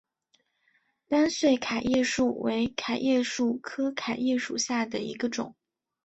单穗桤叶树为桤叶树科桤叶树属下的一个种。